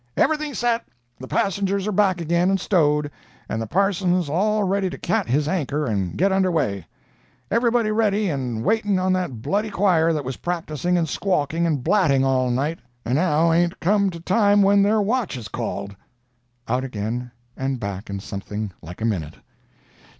] "Everything's set—the passengers are back again and stowed, and the parson's all ready to cat his anchor and get under way—everybody ready and waiting on that bloody choir that was practicing and squawking and blatting all night, and now ain't come to time when their watch is called." [Out again, and back in something like a minute.